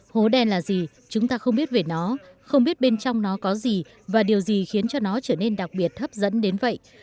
hố đen là gì chúng ta không biết về nó không biết bên trong nó có gì và điều gì khiến cho nó trở nên đặc biệt hấp dẫn đến vậy